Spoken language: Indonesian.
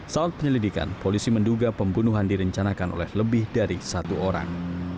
saat penyelidikan polisi menduga pembunuhan direncanakan oleh lebih dari satu orang